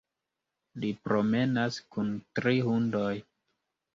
Li promenas kun tri hundoj.